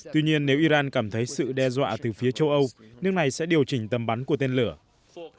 tuy nhiên nếu iran cảm thấy sự đe dọa từ phía châu âu nước này sẽ điều chỉnh tầm bắn của tên lửa ở mức hai km